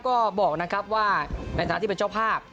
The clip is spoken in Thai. ก็บอกนะครับว่าในฐานะที่เป็นเจ้าภาพ